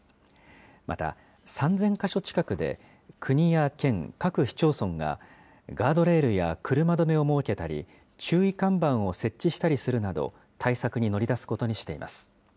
また、３０００か所近くで、国や県、各市町村がガードレールや車止めを設けたり、注意看板を設置したりするなど、対策に乗り出すことにしています。